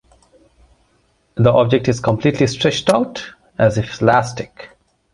The object is completely stretched out, as if elastic.